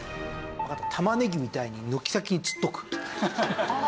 玉ねぎみたいに軒先に吊っとく。